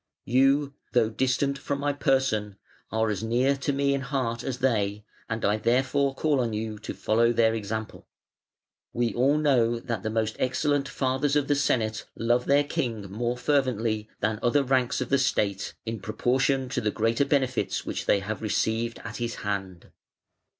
You, though distant from my person, are as near to me in heart as they, and I therefore call on you to follow their example. We all know that the most excellent fathers of the Senate love their King more fervently than other ranks of the State, in proportion to the greater benefits which they have received at his hand".